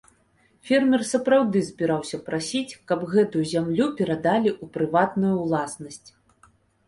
Фермер сапраўды збіраўся прасіць, каб гэтую зямлю перадалі ў прыватную ўласнасць.